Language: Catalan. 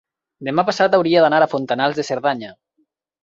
demà passat hauria d'anar a Fontanals de Cerdanya.